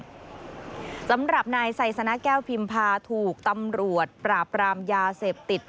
สำหรับนายไซสนะแก้วพิมพาถูกตำรวจปราบรามยาเสพติด